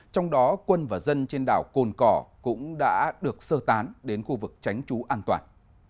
trong đó quân và dân trên đảo cồn cỏ cũng đã được sơ tán đến khu vực tránh trú an toàn